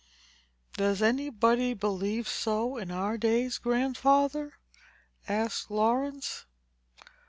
"Does any body believe so in our days Grandfather?" asked Laurence.